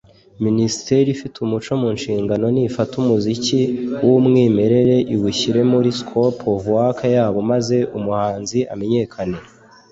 Minisiteri ifite umuco mu nshingano nifate umuziki w’umwimerere iwushyire muri “scope of work” yabo maze umuhanzi amenyekane